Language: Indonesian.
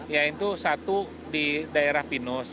yaitu satu di daerah pinus